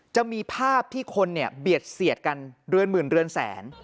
จะมีภาพที่คนเนี่ยเบียดเสียดกันเรือนหมื่นเรือนแสน